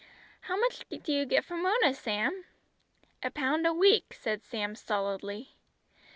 How much do you get from Mona, Sam?" "A pound a week," answered Sam stolidly.